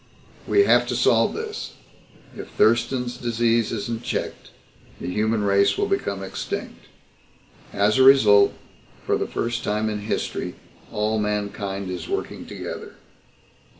"We have to solve this. If Thurston's Disease isn't checked, the human race will become extinct. As a result, for the first time in history all mankind is working together."